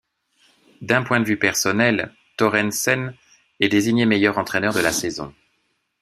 D'un point de vue personnel, Thoresen est désigné meilleur entraîneur de la saison.